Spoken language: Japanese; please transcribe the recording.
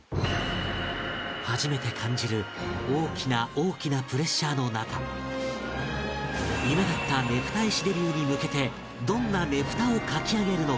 初めて感じる大きな大きなプレッシャーの中夢だったねぷた絵師デビューに向けてどんなねぷたを描き上げるのか？